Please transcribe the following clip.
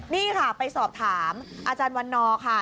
นี่ค่ะไปสอบถามอาจารย์วันนอร์ค่ะ